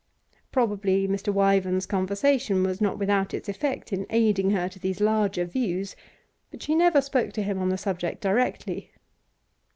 Probably Mr. Wyvern' 5 conversation was not without its effect in aiding her to these larger views, but she never spoke to him on the subject directly.